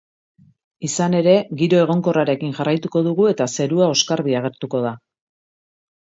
Izan ere, giro egonkorrarekin jarraituko dugu eta zerua oskarbi agertuko da.